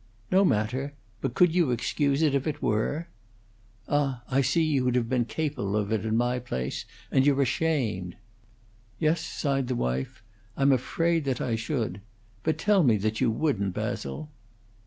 "No matter. But could you excuse it if it were?" "Ah, I see you'd have been capable of it in my place, and you're ashamed." "Yes," sighed the wife, "I'm afraid that I should. But tell me that you wouldn't, Basil!"